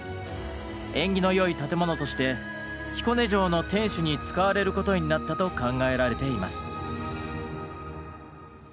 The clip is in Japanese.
縁起の良い建物として彦根城の天守に使われることになったと考えられています。